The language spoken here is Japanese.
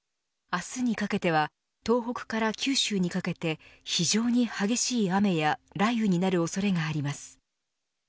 明日にかけては東北から九州にかけて非常に激しい雨や雷雨になる恐れがあります。